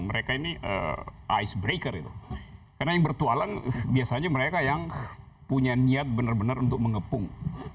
mereka ini icebreaker itu karena yang bertualang biasanya mereka yang punya niat benar benar untuk mengepung